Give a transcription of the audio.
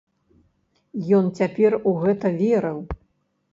Ён цяпер у гэта верыў.